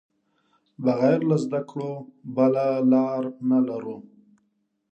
بغیر له زده کړو بله لار نه لرو.